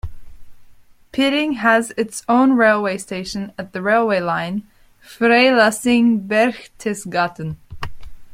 Piding has its own railway station at the railway line Freilassing-Berchtesgaden.